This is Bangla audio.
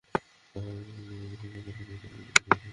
তারা মনে করে, দুর্বল দেশ তো সাধারণত নতি স্বীকার করেই থাকে।